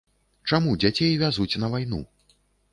Чаму дзяцей вязуць на вайну?